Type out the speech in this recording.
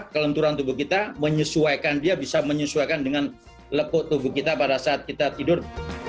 kelenturan tubuh kita menyesuaikan dia bisa menyesuaikan dengan lekuk tubuh kita pada saat kita tidur